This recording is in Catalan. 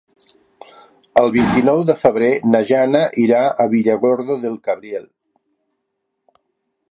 El vint-i-nou de febrer na Jana irà a Villargordo del Cabriel.